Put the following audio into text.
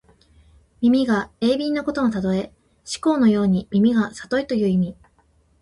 耳が鋭敏なことのたとえ。師曠のように耳がさといという意味。